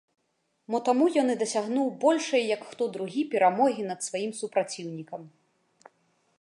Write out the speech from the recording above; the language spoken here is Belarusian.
Мо таму ён і дасягнуў большай, як хто другі, перамогі над сваім супраціўнікам.